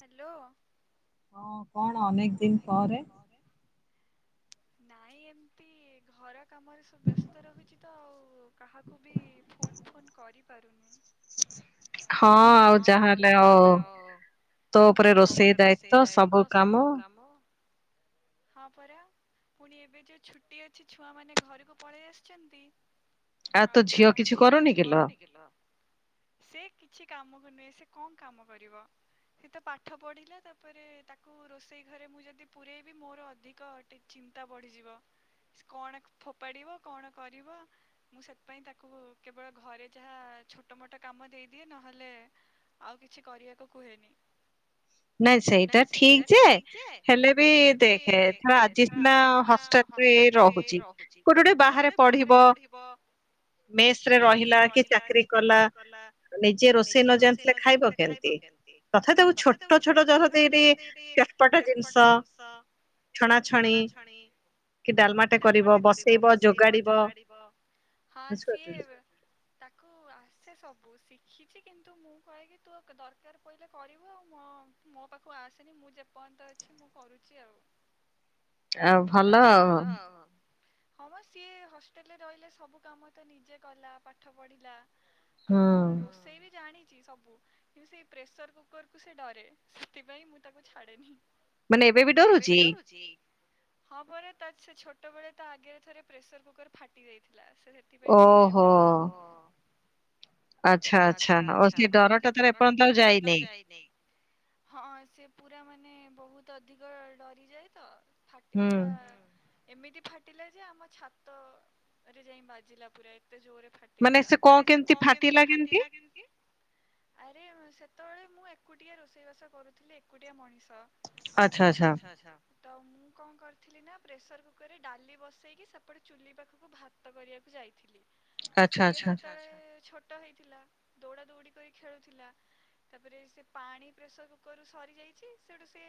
Hello. ହଁ କଣ ଅନେକ ଦିନ୍‌ ପରେ। ନାଇଁ ଏମିତି ଘର କାମରେ ସବୁ ବ୍ୟସ୍ତ ରହୁଛି ତ ଆଉ କାହା କୁ ବି ଫୋନ୍ ଫୋନ୍ କରିପାରୁନି। ହଁ ଆଉ ଯାହା ହେଲେ ଆଉ ତୋ ଉପରେ ରୋଷେଇ ଦାୟିତ୍ଵ ସବୁ କାମ ହଁ ପରା। ପୁଣି ଏବେ ଯୋଉ ଛୁଟି ଅଛି ଛୁଆମାନେ ଘରକୁ ପଳେଇ ଆସିଛନ୍ତି। ତ ଝିଅ କିଛିୁ କରନି କିଲ। ସେ କିଛି କାମକୁ ନୁହେଁ ସେ କଣ କାମ କରିବ। ସେ ତ ପାଠ ପଢିଲା ତାପରେ ତାକୁ ରୋଷେଇ ଘରେ ମୁଁ ଯଦି ପୁରେଇବ୍ ବି ମୋର ଅଧିକ ଟି ଚିନ୍ତା ବଢ଼ିଯିବ। କଣ ଫୋପାଡିବ କଣ କରିବ ମୁଁ ସେଥିପାଇଁ ତାକୁ କେବଳ ଘରେ ଯାହା ଛୋଟ ମୋଟ କାମ ଦେଇଦିଏ ନ ହେଲେ ଆଉ କିଛି କରିବାକୁ କୁହେନି ନାଇଁ ସେଇଟା ଠିକ ଯେ ହେଲେ ବି ଦେଖେ ତିଷ୍ନା ହଷ୍ଟେଲ ରେ ରହୁଛି କୋଉଟି ଗୋଟେ ବାହାରେ ପଢି ବସ ରେ ରହିଲା କି ଚାକିରୀ କଲା ନିଜେ ରୋଷେଇ ନ ଜାଣିଥିଲେ ଖାଇବ କେମତି ତଥା ଛୋଟ ଛୋଟ ଜର ଦେଇ ଦେଇ କେପଟ ଜିନିଷ। ଛଣାଛଣି କି ଡାଲମା ଟେ କରିବ ବସେଇବ ଯୋଗାଡ଼ିବ ହଁ ସିଏ ତାକୁ ଆସେ ସବୁ, ଶିଖିଛି କିନ୍ତୁ ମୁଁ କହେକି ତୁ ଦରକାର ପଇଲେ କରିବୁ ଆଉ ମୋ ମୋ ପାଖକୁ ଆସେନି ମୁଁ ଯେପର୍ଯ୍ୟନ୍ତ ଅଛି ମୁଁ କରୁଛି ଆଉ ଆଉ ଭଲ ଆଉ ହଁ ମ ସିଏ ହଷ୍ଟେଲରେ ରହିଲେ ସବୁ କାମ ତ ନିଜେ କଲା, ପାଠ ପଢିଲା। ଆଉ ହଁ ରୋଷେଇ ବି ଜାଣିଛି ସବୁ କିନ୍ତୁ ସେଇ ପ୍ରେସର କୁକର କୁ ସେ ଡରେ ସେଥିପାଇଁ ମୁଁ ତାକୁ ଛାଡେନି। ମାନେ ଏବେ ବି ଡରୁଚି? ହଁ ପରା ତା ସେ ଛୋଟବେେଳେ ତା ଆଗରେ ଥରେ ପ୍ରେସର କୁକର ଫାଟି ଯାଇଥିଲା ସେ ସେଥ ସେଥିପାଇଁ ଡରେ ଏବେବି ଓହୋ। ଆଚ୍ଛା ଆଚ୍ଛା ଓ ସେ ଡର ଟା ତାରେ ଏପର୍ଯ୍ୟନ୍ତ ଯାଇନି। ହଁ ସେ ପୁରା ମାନେ ବହୁତ ଅଧିକ ଡରିଯାଏ ତ ଫାଟିଥିଲା ହୁଁ। ଏମିତି ଫାଟିଲା ଯେ ଆମ ଛାତରେ ଯାଇ ବାଜିଲା ପୁରା ଏତେ ଜୋରରେ ଫାଟ୍ ଫାଟିଥିଲା ମାନେ ସେ କଣ କେମତି ଫାଟିଲା କେମତି? ଆରେ ସେତେବେଳେ ମୁଁ ଏକୁଟିଆ ରୋଷେଇବାସ କରୁଥିଲି ଏକୁଟିଆ ମଣିଷ। ଆଉମ୍ ଆଚ୍ଛା ଆଚ୍ଛା। ତ ମୁଁ କଣ କରିଥିଲି ନା ପ୍ରେସର କୁକରରେ ଡାଲି ବସେଇକି ସେପଟେ ଚୁଲି ପାଖକୁ ଭାତ କରିବାକୁ ଯାଇଥିଲି। ଆଉ ସିଏ ଆଚ୍ଛା ଆଚ୍ଛା ସେତେବେଳେ ଛୋଟ ହେଇଥିଲା ଦୌଡା ଦୌଡି କରି ଖେଳୁଥିଲା। ତାପରେ ସେ ପାଣି ପ୍ରେସର କୁକରରୁୁ ସରିଯାଇଛି ସେଠୁ ସିଏ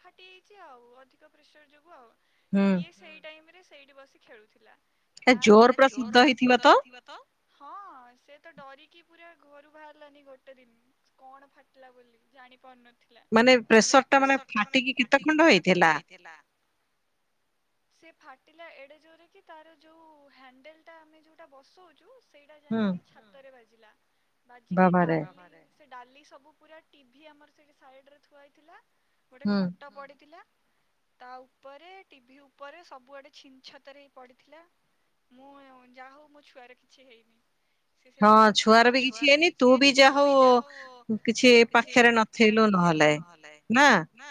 ଫାଟି ଯାଇଛି ଆଉ ଅଧିକ ପ୍ରେସର ଯୋଗୁଁ ଆଉ ତ ଇଏ ସେଇ ଟାଇମ ରେ ସେଇଠି ବସି ଖେଳୁଥିଲା ତା ଆଗରେ ଜୋର୍ ପୁରା ଶବ୍ଦ ହେଇଥିବ ତ। ହଁ ସେ ତ ଡରିକି ପୁରା ଘରୁ ବାହାରିଲାନି ଗୋଟେ ଦିନ। କଣ ଫାଟିଲା ବୋଲି ଜାଣି ପାରୁନଥିଲା ମାନେ ପ୍ରେସର୍ ମେଁ ଫାଟିକି କିତେ ଖଣ୍ଡ ହେଇଥିଲା? ସେ ଫାଟିଲା ଏଡ଼େ ଜୋରେ କି ତାର ଯଉ ହ୍ୟାଣ୍ଡେଲଟା ଆମେ ଯଉଟା ବସଉଚୁ ସେଇଟା ଯାଇକି ଛାତରେ ବାଜିଲା ବାଜିକି ଡାଲି ସେ ଡାଲି ସବୁ ପୁରା ଟିଭି ଆମର ସେଠି ସାଇଡ ରେ ଥୁଆଇଥିଲା ଗୋଟେ ଖଟ ପଡ଼ିଥିଲା ତା ଉପରେ ଟିଭି ଉପରେ ସବୁଆଡ଼େ ଛିନ୍ ଛତର ହେଇ ପଡ଼ିଥିଲା। ମୁଁ ଯାହା ହଉ ମୋ ଛୁଆର କିଛି ହେଇନି। ସିଏ ସେଠି ହଁ ଛୁଆର ବି କିଛି ହେଇନି ତୁ ବି ଯାହା ହଉ କିଛି ପା ଖେରେ ନଥେଇିଲୁ ନହଲେ ନା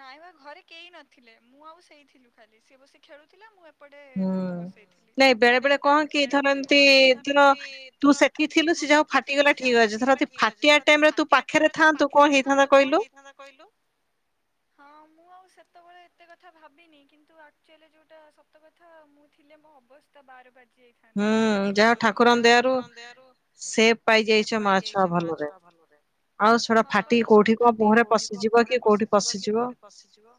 ନାଇ ବା ଘରେ କେହି ନଥିଲେ ମୁଁ ଆଉ ସେଇଥିଲୁ ଖାଲି ସିଏ ବସି ଖେଳୁଥିଲା ମୁଁ ଏପ୍ ଏପଡେ ଭାତ ବସେଇଥିଲି ନାଇଁ ବେଳେ ବେଳେ କଣ କି ଧର ଏମତିି ତୋର ତୁ ସେଠି ଥିଲୁ ସେ ଯାହୁ ଫାଟିଗଲା ଠିକ ଅଛି ଫାଟିବା ଟାଇମ ରେ ତୁ ପାଖରେ ଥାନ୍ତୁ ତୁ କ ହେଇଥାନ୍ତା କହିଲୁ? ହଁ ମୁଁ ଆଉ ସେତେବେଳେ ଏତେ କଥା ଭାବିନି କିନ୍ତୁ ଆକ୍ଚୁଆଲି ଯୋଉଟା ସତକଥା ମୁଁ ଥିଲେ ମୋ ଅବଶ୍ ତ ବାର ବାଜି ଯାଇଥାନ୍ତା ହଁ ଯାହା ଠାକୁରଙ୍କ ଦୟାରୁ ସେପ ପାଇଯାଇଛ ମା ଛୁଆ ଭଲରେ। ହଁ ପରା, ଛଡା ଫାଟିି କୋଉଠି କ ପହରେ। ପଶିଯିବ କି କୋଉଠି ପଶିଯିବ,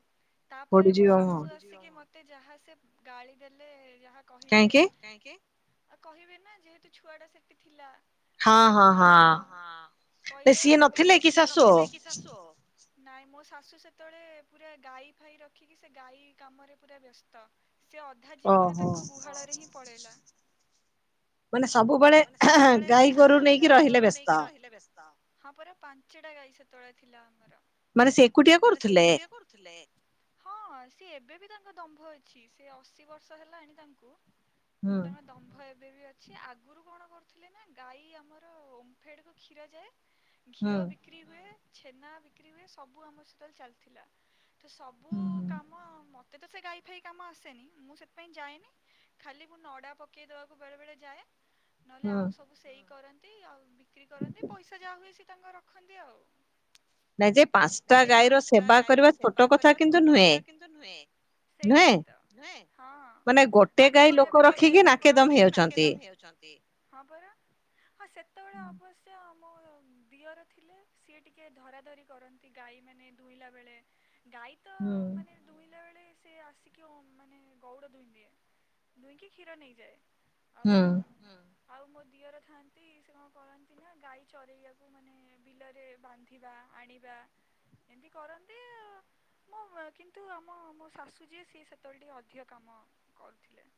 ତାପରେ ମୋ ଶାଶୁ ଆ ସିକି ମତେ ଯାହା ସେ ଗାଳି ଦେଲେ ଯାହା କହିଲେ, କାହିଁକି? ଆଉ କହିବେ ନା ଯେହେତୁ ଛୁଆଟା ସେଠି ଥିଲା। କାଳେ କ କହିବ କହିଲେ ଆଉ କହିଲେ ମୋର ସିଏ ନଥିଲେକି ଶାଶୁ। ନାଇଁ ମୋ ଶାଶୁ ସେତେବେଳେ ପୁରା ଗାଈ ଫାଇ ରଖିକି ସେ ଗାଈ କାମରେ ପୁରା ବେସ୍ତ। ସେ ଅଧା ଜୀବନ ତାଙ୍କ ଗୁହାଳରେ ହିଁ ପଳେଇଲା। ମାନେ ସବୁବେଳେ ଗାଈ ଗୋରୁ ନେଇକି ରହିଲେ ବେସ୍ତ। ହଁ ପରା ପାଞ୍ଚଟା ଗାଈ ସେତେବେଳେ ଥିଲା ଆମର। ମାନେ ସେ ଏକୁଟିଆ ମାନେ ସେ ଏକୁଟିଆ କରୁଥିଲେ? ହଁ ସିଏ ଏବେ ବି ତାଙ୍କ ଦମ୍ଭ ଅଛି ସେ ଅଶୀ ବର୍ଷ ହେଲାଣି ତାଙ୍କୁ ତାଙ୍କ ଦମ୍ଭ ଏବେ ବି ଅଛି, ଆଗରୁ କଣ କରୁଥିଲେ ନା ଗାଈ ଆମର ଓମ୍ଫେଡ଼ କୁ କ୍ଷୀର ଯାଏ। ଘିଅ ବିକ୍ରି ହୁଏ, ଛେନା ବିକ୍ରି ହୁଏ, ସବୁ ଆମର ସେତେବେଳେ ଚାଲିଥିଲା। ତ ସବୁ କାମ ମତେ ତ ସେ ଗାଈ ଫାଇ କାମ ଆସେନି ମୁଁ ସେଥିପାଇଁ ଯାଏନି। ଖାଲି ମୁଁ ନଡ଼ା ପକେଇଦବାକୁ ବେଳେ ବେଳେ ଯାଏ। ନହେଲେ ଆଉ ସବୁ ସେଇ କରନ୍ତି ଆଉ ବିକ୍ରି କରନ୍ତି, ପଇସା ଯାହା ହୁଏ ସେ ତାଙ୍କର ରଖନ୍ତି ଆଉ। ନାଇ ଯେ ପାଞ୍ଚଟା ଗାଈର ସେବା କରିବା ଛୋଟ କଥା କିନ୍ତୁ ନୁହେଁ। ସେଇଟା ହିଁ ତ, ନୁହେଁ ହଁ ଗୋଟେ ଗାଈ ଲୋକ ରଖିକି ନାକଦମ ହେଇଯାଉଛନ୍ତି। ହଁ ପରା। ହଁ ସେତେବେଳେ ଅବଶ୍ୟ ମୋର ଦିଅର ଥିଲେ ସିଏ ଟିକେ ଧରା ଧରି କରନ୍ତି। ଗାଈ ମାନେ ଦୁଇଲା ବେଳେ ଗାଈ ତ ହୁଁ। ଦୁଇଲା ବେଳେ ସେ ଆସିକି ଓ ମାନେ ଗଉଡ ଦୁହିଁ ଦିଏ। ଦୁଇଁକି କ୍ଷୀର ନେଇଯାଏ, ଆଉ ଆଉ ମୋ ଦିଅର ଥାନ୍ତି ସେ କଣ କରନ୍ତି ନା ଗାଈ ଚରେଇବାକୁ ମାନେ ବିଲରେ ବାନ୍ଧି ବା ଆଣିବା। ଏମିତି କରନ୍ତି। ମୁଁ କିନ୍ତୁ ଆମ ମୋ ଶାଶୁ ଯିଏ ସିଏ ସେତେବେଳେ ଟିକେ ଅଧିକ କାମ କରୁଥିଲେ।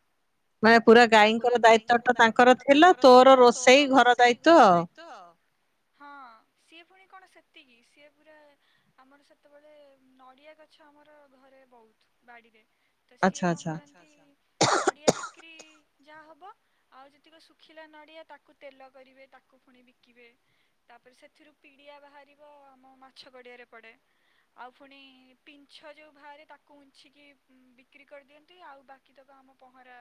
ମାନେ ପୁରା ଗାଈଙ୍କର ଦାୟିତ୍ଵ ଟା ତାଙ୍କର ଥିଲା ତୋର ରୋଷେଇ ଘର ଦାଇ ତ୍ଵ, ହଁ ସିଏ ପୁଣି କଣ ସେତିକି ସିଏ ପୁରା ଆମର ସେତେବେଳେ ନଡ଼ିଆ ଗଛ ଆମର ଘରେ ବହୁତ ବାଡ଼ିରେ। ତ ସିଏ କଣ କରନ୍ତି ନଡିଆ ବିକ୍ରି ଯାହା ହବ। ଆଉ ଯେତିକ ଶୁଖିଲା ନଡ଼ିଆ ତାକୁ ତେଲ କରିବେ ତାକୁ ପୁଣି ବିକିବେ। ତାପରେ ସେଥିରୁ ପିଡିଆ ବାହାରିବ ଆମ ମାଛ ଗଡିଆରେ ପଡେ। ଆଉ ପୁଣି ପିଞ୍ଚ ଯୋଉ ବାହାରେ ତାକୁ ଉଞ୍ଚିକି ବିକ୍ରି କରିଦିଅନ୍ତି ଆଉ ବା କି ତକ ଆମ ପହଁରା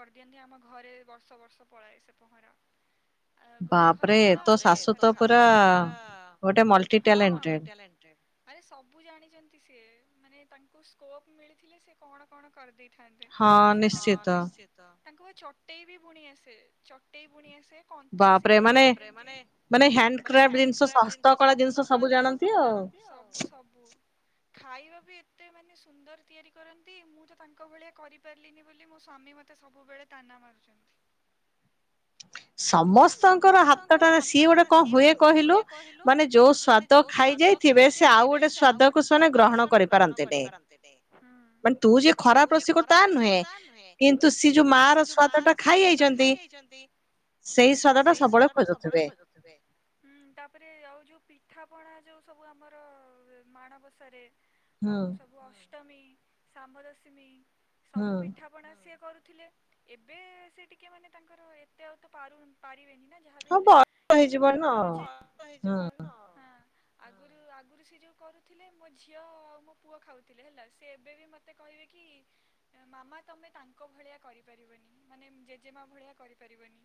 କରିଦିଅନ୍ତି ଆମ ଘରେ ବର୍ଷ ବର୍ଷ ପଳାଏ ସେ ପହଁରା। ଗୋଟେ ଖରାପରେ ତ ଶାଶୁ ତ ପୁର ଗଟେ ମଲ୍ଟିପୁଲ ହଁ। ଟ୍ୟାଲେ ଣ୍ଟେ୍ଡ୍। ଆରେ ସବୁ ଜାଣିଛନ୍ତି ସିଏ ମାନେ ତାଙ୍କୁ ସ୍କୋପ ମିଳିଥିଲେ ସେ କଣ କଣ କରିଦେଇ ଥାନ୍ତେ, ହଁ ନିଁଚିନ୍ତ, ତାଙ୍କୁ ଚଟେଇ ବି ବୁଣି ଆସେ ଚଟେଇ ବୁଣି ଆସେ। ବାପରେ ମାନେ ମାନେ ହ୍ୟାଣ୍ଡ କାରଫ୍ଟ ଜିନିଷ ଶସ୍ତ କଳା ଜିନିଷ ସ ସବୁ ଜାଣନ୍ତି ସବୁ ସବୁ। ଖାଇବା ବି ଏତେ ମାନେ ସୁନ୍ଦର ତିଆରି କରନ୍ତି ମୁଁ ତ ତାଙ୍କ ଭଳିଆ କରିପାରିଲିନି ବୋଲି ମୋ ସ୍ଵାମୀ ମତେ ମତେ ସବୁବେଳେ ତାନା ମାରୁଛନ୍ତି। ସମସ୍ତଙ୍କର ହାତଟା ସିଏ ଗୋଟେ କଣ ହୁଏ କହିଲୁ ମାନେ ଯୋଉ ସ୍ଵାଦ ଖାଇଯାଇଥିବେ ସେ ଆଉ ଗୋଟେ ସ୍ଵାଦକୁ ସେମାନେ ଗ୍ରହଣ କରିପାରନ୍ତିନି। ମାନେ ତୁ ଯେ ଖରାପ ରୋଷଇ କରୁ ତା ନୁହେଁ କିନ୍ତୁ ସିଏ ଯୋଉ ମା ର ସ୍ଵାଦ ଟା ଖାଇ ଚନ୍ତି ହଁ ପରା ସେଇ ସସ୍ୱାଦ ଟା ସବୁବେଳେ ଖୋଜୁଥିବେ। ହୁଁ ତାପରେ ଆଉ ଯୋଉ ପିଠାପଣା ଯୋଉ ସବୁ ଆମର ମାଣବସାରେ ଆଉ ସବୁ ଅଷ୍ଟମୀ ଶାମ ଦଶମୀ ସବୁ ପିଠା ଣା ସିଏ କରୁଥିଲେ ଏବେ ସେ ଟିକେ ମାନେ ତାଙ୍କର ଏତେ ଆଉ ତ ପାରୁ ପାରିବେନି ନା। ଯାହା ବି ହେଲେ ଏବେ ମୁଁ କରୁଛି। ଆଗରୁ ଆଗରୁ ସେ ଯୋଉ କରୁଥିଲେ ମୋ ଝିଅ ଆଉ ମୋ ପୁଅ ଖାଉଥିଲେ ହେଲା ସେ ଏବେ ବି ମତେ ମୋତେ କହିବେ କି ମାମା ତମେ ତାଙ୍କ ଭଳିଆ କରିପାରିବନି ମାନେ ଜେଜେମା ଭଳିଆ କରିପାରିବନି।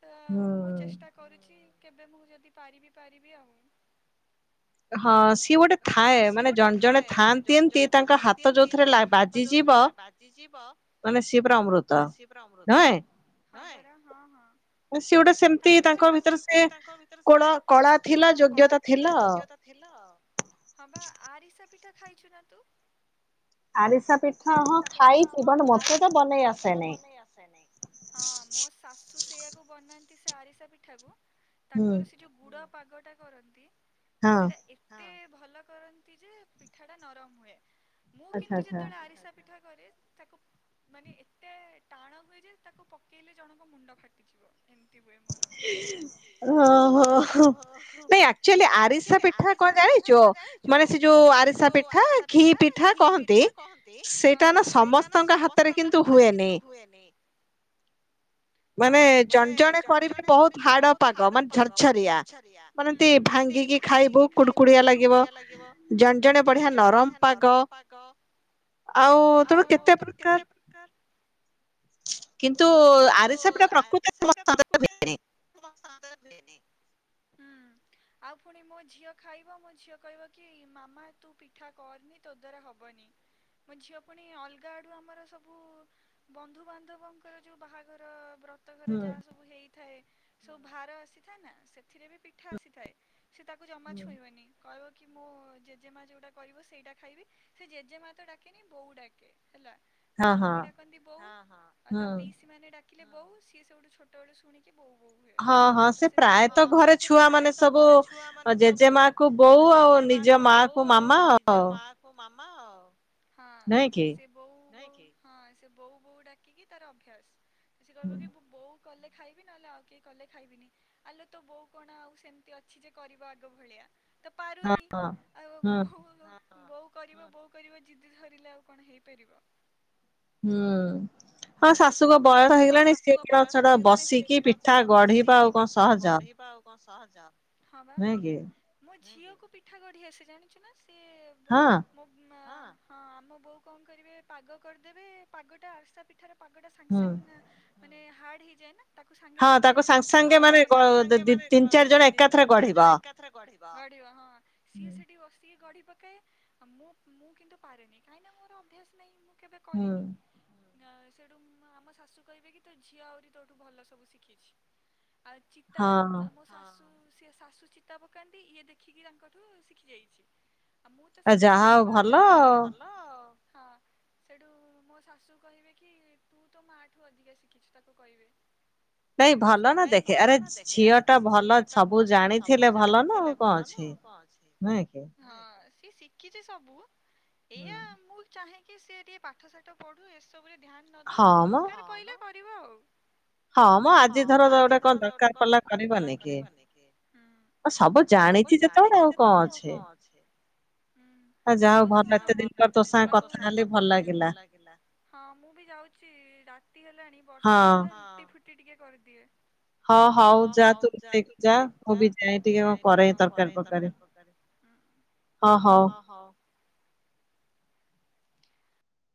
ତ ମୁଁ ଚେଷ୍ଟା କରୁଛି କେବେ ମୁଁ ଯଦି ପାରିବି ପାରିବି ଆଉ। ହଁ ସିଏ ଗୋଟେ ଥାଏ ମାନେ ଜଣେ ଜଣେ ଥାଆନ୍ତି ଏମତି ତାଙ୍କ ହାତ ଯୋଉ ରେ ଲା ବା ଜି ଯିବ। ମାନେ ସିଏ ପୁରା ଅମୃତ ନୁହେଁ। ହଁ ପରା ହଁ ହଁ। ସେ ଗୋଟେ ସେମ୍ତି ତାଙ୍କ ଭିତରେ ସେ କୋଣ କଳା ଥିଲା ଯୋଗ୍ୟତା ହେଲ ହଁ ବା ଆରିସା ପିଠା ଖାଇଛୁ ନା ତୁ? ଆରିସା ପିଠା ହଁ ଖାଇଛି ବଟ୍ଟ ମୋତେ ତ ବନେଇ ଆସ୍ ହଁ ମୋ ଶାଶୁ ସେଇଆକୁ ବନାନ୍ତି ସେ ଆରିସା ପିଠା କୁ। ତାଙ୍କର ସେ ଯେଉଁ ଗୁଡ଼ ପାଗଟା କରନ୍ତି? ସେଟା ଏହଁତେ ଭଲ କରନ୍ତି ଯେ ପିଠା ଟା ନରମ ହୁଏ। ମୁଁ କିନ୍ତୁ ଯେତେବେଳେ ଆରିସା ପିଠା କରେ ତାକୁ ମାନେ ଏତେ ଟାଣ ହୁଏ ଯେ ତାକୁ ପକେଇଲେ ଜଣଙ୍କ ମୁଣ୍ଡ ଫାଟିଯିବ। ଏମତି ହୁଏ ମୋର ହଁ ହଁ ଓହ ନାଇ ଆ ଆଚୁଆଲି ଆରିସା ପିଠା କଣ ଜାଣିଚ ମାନେ ସେ ଯୋଉ ଆରିସା ପିଠା ଘି ପିଠା କହ ତି ହଁ ହଁ ସେଇଟା ନା ସମସ୍ତଙ୍କ ହାତରେ କିନ୍ତୁ ହୁଏନି। ହଁ ବା ମାନେ ଜଣେ କରିବି ବହୁତ ହାଡ଼ ପାଗ ମାନେ ଝର୍ଝରିଆ ହୁଁ ମାନନ୍ତି। ଭାଙ୍ଗିକି ଖାଇବୁ କୁଡକୁଡିଆ ଲାଗିବ ଜଣ୍ ଜଣେ ବଢିଆ ନରମ ପାଗ। ହଉପା ତୋର କେତେ ପ୍ରକାର୍ କିନ୍ତୁ ଆରୀସା ପିଟା ପ୍ରକୃତ [unintelligible] ପୁଣି ମୋ ଝିଅ ଖାଇବ ମୋ ଝିଅ କହିବ କି ମାମା ତୁ ପିଠା କରନି ତୋ ଦ୍ୱାରା ହବନି। ମୋ ଝିଅ ପୁଣି ଅଲ୍ଗା ଆଡୁ ଆମର ସବୁ ବନ୍ଧୁବାନ୍ଧବଙ୍କର ଯୋଉ ବାହାଘର ବ୍ର ତ ଘର ଯାହା ସବୁ ହେଇଥାଏ ସବୁ ଭାର ଆସିଥାଏ ନା ସେଥିରେ ବି ପିଠା ଆସିଥାଏ ସେତା କୁ ଜମା ଛୁଇଁବେନି କହିବ କି ମୁଁ ଜେଜେମା ଯେଉଁଟା କରିବ ସେଇଟା ଖାଇବି। ସେ ଜେଜେମା ତ ଡାକେନି ବୋଉ ଡାକେ ହେଲା। ମୋ ସ୍ୱାମୀ ଡାକନ୍ତି ବୋଉ ହଁ ହଁ ତା ପିଇସି ମାନେ ଡାକିଲେ ହଁ ବୋଉ ସିଏ ସବୁଠୁ ଗ ଛୋ ବେଳେୁ ଶୁଣିକି ବୋଉ ବୋଉ ହୁଏ ତ ସେ ସେ ଘ ହଁ ସେ ପ୍ରାୟେତ ଘରେ ଛୁଆ ମାନେ ସବୁ ଜେଜେମା କୁ ବୋଉ ଆଉ ନିଜ ମା ମାମା ଆଉ ହଁ। ବୋଉ ବୋଉ ନାଇକିହଁ ବୋଉ ବୋଉ ଡାକିକି ତାର ଅଭ୍ୟାସ୍ ସେ କହିବ କି ବୋଉ। କଲେ ଖାଇବି ନହେଲେ ଆଉ କେହି କଲେ ଖାଇବିନି ଆଲେ ତୋ ବୋଉ କଣ ଆଉ ସେମିତି ଅ ଛି ଯେ କରିବ ଆଗ ଭଳିଆ ତ ପାରୁନି ଆଉ ବୋଉ ହଁ। ହଁ ବୋଉ କରିବ ବୋଉ କରିବ ଜିଦି ଧରିଲେ ଆଉ କଣ ହେଇପାରିବ। ହୁଁ। ହଁ ଶାଶୁଙ୍କ ବୟସ ହେଇଗଲାଣି ସିଏ ବସିକି ପିଠା ଗଢିବ ଆଉ କଣ ସହଜ? କଂସହଜ ହଁ ବା ମୋ ଝିଅକୁ ପିଠା ଗଢି ଆସେ ଜାଣିଛୁ ନା ସେ ବା। ମୋ ମା ହଁ ହଁ ମୋ ବୋଉ କଣ୍ କରିବେ ପାଗ କରିଦେବେ ପାଗଟା ଆରସା ପିଠାର। ପାଗଟା ସାଙ୍ଗେ ସାଙ୍ଗେ ମାନେ ହାର୍ଡ ହେଇଯାଏ ନା। ହଁ ତାକୁ ସଙ୍ଗ ସାଙ୍ଗେ ମାନେ ବ ଦ ତିନ୍ ତିନ୍ ଚାରି ଜଣ ଏକା ଏକାଥରେ ଗଢ଼ିବ ଗଢ଼ିବ ହଁ ସିଏ ସେଠି ବସିକି ଗଢି ପକେଇବେ। ହଁ ମୁଁ ମୁଁ କିନ୍ତୁ ପାରେନି କାଇଁନା ମୋର ଅଭ୍ୟାସ୍ ନାହିଁ ମୁଁ କେବେ କରିନି। ନା ସେଇଠୁ ଆମ ଶାଶୁ କହିବେ କି ତୋ ଝିଅ ଆହୁରି ତୋଠୁ ଭଲ ସବୁ ଶିଖିଛି। ଆଉ ଚିତା ଆଉ ମୋ ଶାଶୁ। ସିଏ ଶାଶୁ ଚିତା ପକାନ୍ତି ଇଏ ଦେଖିକି ତାଙ୍କଠୁ ଶିଖିଯାଇଛି। ଆ ମୁଁ ତ ସେଗୁଡା କିଛି ପାରେନିଯାହାହୋଉ ଭଲ ଆଉ ହଁ। ସେଇଠୁ ମୋ ଶାଶୁ କହିବେ କି ତୁ ତୋ ମା ଠୁ ଅଧିକା ଶିଖିଛୁ ତାକୁ କହିବେ। କହିବେ ସିଏଆସୁ ନାଇ ଭଲ ନା ଦେଖେ ଆରେ ଝିଅ। ନା ଭଲ ସବୁ ଜାଣିଥିଲେ ଭଲ ନା ଆଉ କଣ ଅଛି। ହଁ ସିଏ ଶିଖିଚି ସବୁ। ହୁଁ। ଚାହେଁକି ସି ଟିକେ ପାଠ ସାଠ ପଢୁ ଏସବୁ ରେ ଦ୍ଧ୍ୟନ୍ ନ ଦଉ ଦର୍କାରେ ପଇଲେ କରିବ ଆଉ, ହଁ ମ ଆଜି ଧର ଗୋଟେ କଣ ଦରକାର ପଡ଼ିଲା କରିବନି। ହୁଁ, ସବୁ ଜାଣିଚି ଯେତେବେଳେ ଆଉ କଣ ଅଛି। ଆଜ୍। ହଉ ଯାହାହଉ, ଭଲତିରି ତୋ ସାଙ୍ଗରେ କଥା ହେଲି ଭଲ ଲାଗିଲା। ହଁ ମୁଁ ବି ଯାଉଚି ରାତି ହେଲାଣି ବର୍ଷା ହଉଥିଲା, ରୁଟି ଫୁଟି ଟିକେ କରିଦିଏ। ହଁ ହଉ ଯା ତୁ ଯା, ମୁଁ ବି ଯାଏ ଟିକେ କରେ ତରକାରୀ ଫରକାରୀ। ହଁ ହ। ହଉ।